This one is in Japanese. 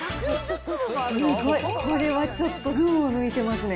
すごい、これはちょっと群を抜いてますね。